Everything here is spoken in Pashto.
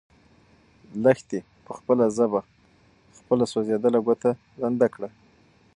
لښتې په خپله ژبه خپله سوځېدلې ګوته لنده کړه.